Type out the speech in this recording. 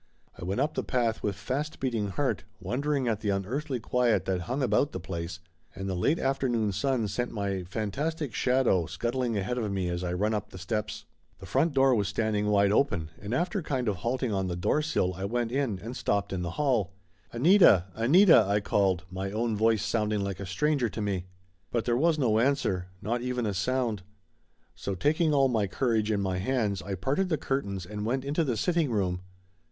I went up the path with fast beating heart, wonder ing at the unearthly quiet that hung about the place, and the late afternoon sun sent my fantastic shadow scuttling ahead of me as I run up the steps. The front Laughter Limited 299 door was standing wide open, and after kind of halt ing on the door sill I went in and stopped in the hall. "Anita! Anita!" I called, my own voice sounding like a stranger to me. But there was no answer. Not even a sound. So taking all my courage in my hands I parted the curtains and went into the sitting room.